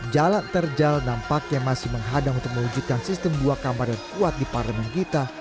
jalan terjal nampak yang masih menghadang untuk mewujudkan sistem buah kamar yang kuat di parlimen kita